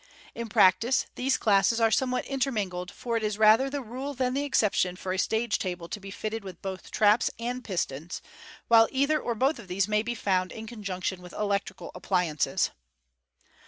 In practice, these classes are somewhat intermingled, for it is rather the rule than the exception for a stage table to be fitted with both traps and pistons, while either or both of these may be found in conjunction with electrical appliances.